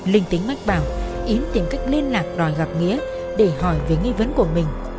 linh tính mách bảo yến tìm cách liên lạc đòi gặp nghĩa để hỏi về nghi vấn của mình